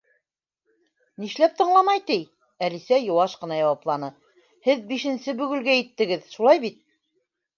—Нишләп тыңламай, ти, —Әлисә йыуаш ҡына яуапланы. — һеҙ бишенсе бөгөлгә еттегеҙ, шулай бит?